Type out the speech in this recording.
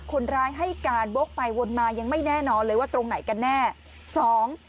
คนร้ายให้การวกไปวนมายังไม่แน่นอนเลยว่าตรงไหนกันแน่สอง